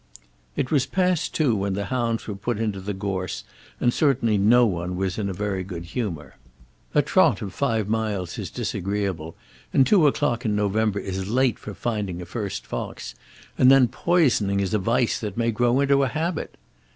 It was past two when the hounds were put into the gorse, and certainly no one was in a very good humour. A trot of five miles is disagreeable, and two o'clock in November is late for finding a first fox; and then poisoning is a vice that may grow into a habit!